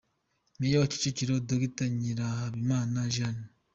Meya wa Kicukiro Dr Nyirahabimana Jeanne.